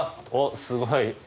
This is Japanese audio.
おっすごい。